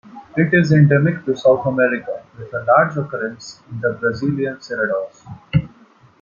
It is endemic to South America, with a large occurrence in the Brazilian cerrados.